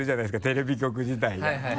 テレビ局自体が。